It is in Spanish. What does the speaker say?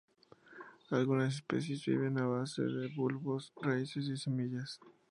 Algunas especies viven a base de bulbos, raíces y semillas.